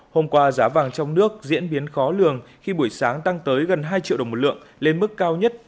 hôm qua giá vàng trong nước diễn biến khó lường khi buổi sáng tăng tới gần hai triệu đồng một lượng lên mức cao nhất